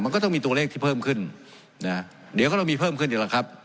มันก็ต้องมีตัวเลขที่เพิ่มขึ้นนะเดี๋ยวก็เรามีเพิ่มขึ้นอีกแล้วครับ